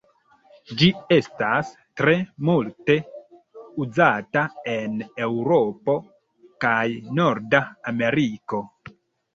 Ĝi estas tre multe uzata en Eŭropo kaj Norda Ameriko.